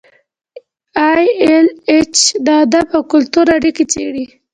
ای ایل ایچ د ادب او کلتور اړیکې څیړي.